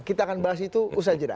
kita akan bahas itu usai jeda